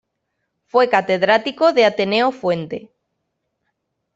Fue catedrático de Ateneo Fuente.